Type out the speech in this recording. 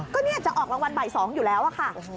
ก็เนี่ยจะออกรางวัลบ่าย๒อยู่แล้วอะค่ะ